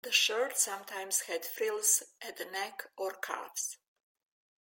The shirt sometimes had frills at the neck or cuffs.